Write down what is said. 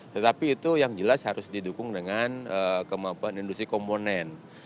tetapi itu yang jelas harus didukung dengan kemampuan industri komponen